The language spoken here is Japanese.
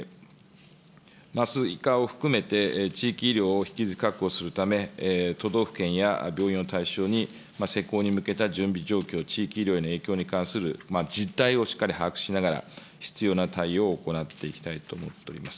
麻酔科を含めて、地域医療を引き続き確保するため、都道府県や病院を対象に施行に向けた準備状況、地域医療への影響に関する実態をしっかり把握しながら、必要な対応を行っていきたいと思っております。